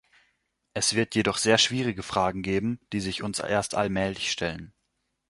Es wird jedoch sehr schwierige Fragen geben, die sich uns erst allmählich stellen.